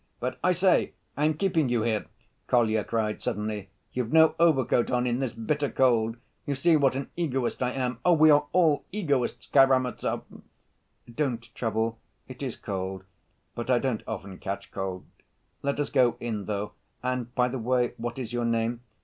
But, I say, I am keeping you here!" Kolya cried suddenly. "You've no overcoat on in this bitter cold. You see what an egoist I am. Oh, we are all egoists, Karamazov!" "Don't trouble; it is cold, but I don't often catch cold. Let us go in, though, and, by the way, what is your name?